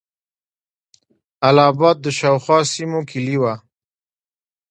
اله آباد د شاوخوا سیمو کیلي وه.